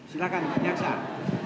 silahkan banyak saat